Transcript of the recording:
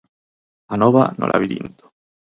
Anova, no labirinto.